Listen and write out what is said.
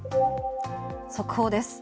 速報です。